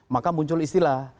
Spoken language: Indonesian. maka muncul istilah